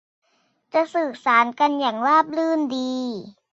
จะสื่อสารกันอย่างราบรื่นดี